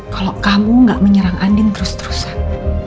kalau kamu gak menyerang andin terus terusan